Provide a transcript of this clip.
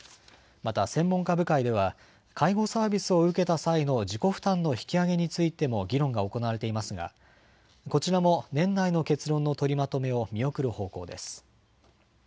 また専門家部会では介護サービスを受けた際の自己負担の引き上げについても議論が行われていますが、こちらも年内の結論の取りまとめを見送る方向です。